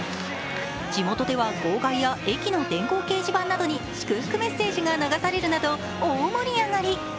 地元では号外や駅の電光掲示板などに祝福メッセージが流されるなど大盛り上がり。